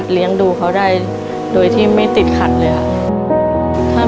ตัวเลือกที่สี่สุภาพ